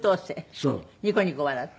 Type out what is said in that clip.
ニコニコ笑って。